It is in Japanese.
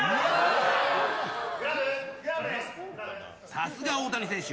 さすが大谷選手。